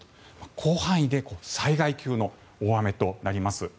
広範囲で災害級の大雨となります。